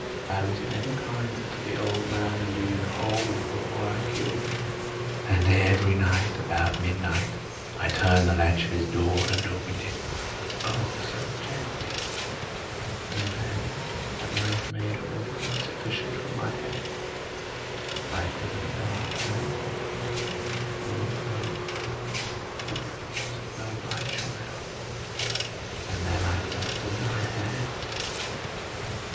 I was never kinder to the old man than during the whole week before I killed him. And every night, about midnight, I turned the latch of his door and opened it—oh, so gently! And then, when I had made an opening sufficient for my head, I put in a dark lantern, all closed, closed, that no light shone out, and then I thrust in my head.